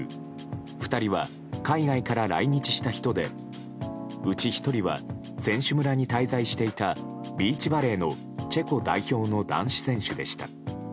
２人は海外から来日した人でうち１人は選手村に滞在していたビーチバレーのチェコ代表の男子選手でした。